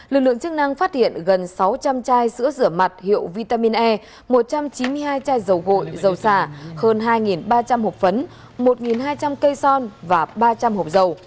lực lượng chức năng phát hiện gần sáu trăm linh chai sữa rửa mặt hiệu vitamin e một trăm chín mươi hai chai dầu gội dầu xả hơn hai ba trăm linh hộp phấn một hai trăm linh cây son và ba trăm linh hộp dầu